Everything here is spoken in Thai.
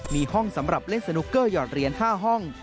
มีห้องสำหรับเล่นสนุกเกอร์หยอดเหรียญ๕ห้อง